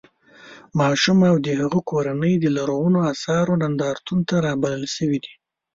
ماشوم او د هغه کورنۍ د لرغونو اثارو نندارتون ته رابلل شوي دي.